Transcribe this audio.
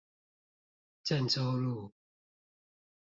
鄭州路